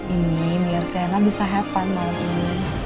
ini biar siena bisa have fun malem ini